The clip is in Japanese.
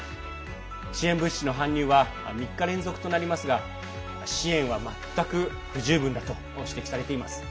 支援物資の搬入は３日連続となりますが支援は全く不十分だと指摘されています。